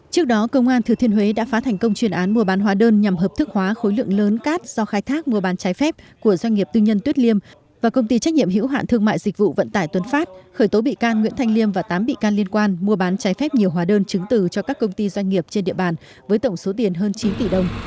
trước đó công an thừa thiên huế đã phá thành công chuyên án mua bán hóa đơn nhằm hợp thức hóa khối lượng lớn cát do khai thác mua bán trái phép của doanh nghiệp tư nhân tuyết liêm và công ty trách nhiệm hữu hạn thương mại dịch vụ vận tải tuấn phát khởi tố bị can nguyễn thanh liêm và tám bị can liên quan mua bán trái phép nhiều hóa đơn chứng từ cho các công ty doanh nghiệp trên địa bàn với tổng số tiền hơn chín tỷ đồng